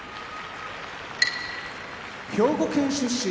兵庫県出身